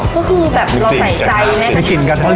ก็คือแบบเราใส่ใจไหมคะ